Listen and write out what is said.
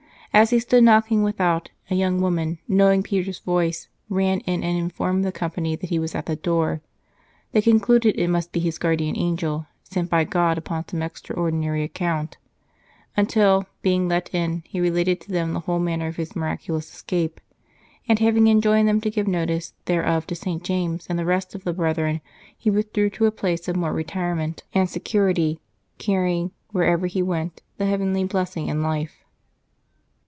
As he stood knocking without, a young woman, knowing Peter's voice, ran in and informed the company that he was at the door; they concluded it must be his guardian angel, sent by God upon some extraordinary account, until, being let in, he related to them the whole manner of his miraculous escape; and having enjoined them to give notice thereof to St. James and the rest of the brethren, he withdrew to a place of more retirement 268 LIVES OF THE SAINTS [August 2 and security, carrying, wherever he went, the heayenly blessing and life.